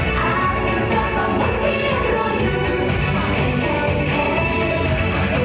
แต่จะไม่รู้ว่ามันกันหรือ